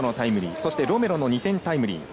そして、ロメロの２点タイムリー。